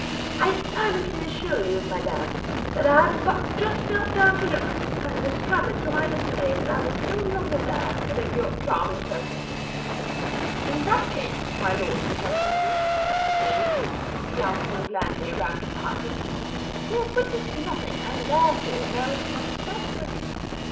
I earnestly assure you, madame, that I had but just knelt down to look, when I discovered to my dismay, that I was no longer there, but in your charming presence." "In that case, my lords and gentlemen," said the queen, glancing blandly round the apartment, "he has witnessed nothing, and, therefore, merits but slight punishment."